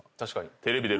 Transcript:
テレビ出る前に。